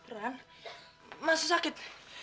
ran masih sakit